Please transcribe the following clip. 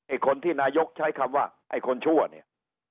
คนที่นายกใช้คำว่าไอ้คนชั่วเนี่ย